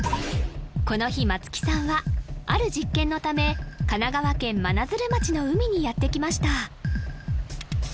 この日松木さんはある実験のため神奈川県真鶴町の海にやって来ました